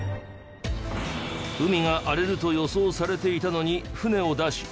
海が荒れると予想されていたのに船を出し。